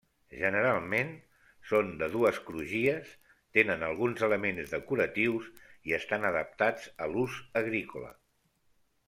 Generalment són de dues crugies, tenen alguns elements decoratius i estan adaptats a l'ús agrícola.